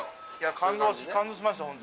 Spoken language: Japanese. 感動しました、本当。